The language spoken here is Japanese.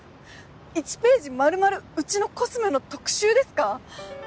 １ページ丸々うちのコスメの特集ですか？